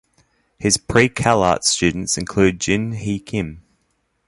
His pre-CalArts students include Jin Hi Kim.